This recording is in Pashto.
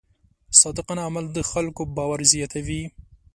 صادقانه عمل د خلکو باور زیاتوي.